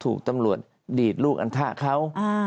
ถูกตำรวจดีดลูกอันทะเขา